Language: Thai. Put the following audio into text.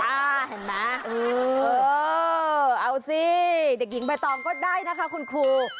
เห็นไหมเอาสิเด็กหญิงใบตองก็ได้นะคะคุณครู